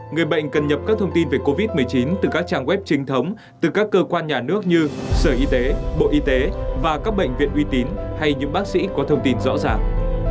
người bệnh cần nhập các thông tin về covid một mươi chín từ các trang web chính thống từ các cơ quan nhà nước như sở y tế bộ y tế và các bệnh viện uy tín hay những bác sĩ có thông tin rõ ràng